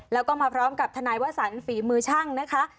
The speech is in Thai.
แล้วก็มาพร้อมกับทนายวสันฝีมือช่างนะคะ